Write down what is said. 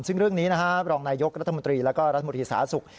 ซึ่งเรื่องนี้นะฮะรองนายยกรัฐมนตรีแล้วก็รัฐมนตรีสาธารณสุข